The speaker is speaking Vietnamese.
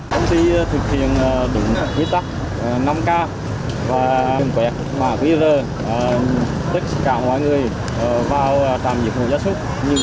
công ty thực hiện đúng quy tắc năm k và đừng quẹt mà quy rơ tích cả mọi người vào trạm riết mổ da sốt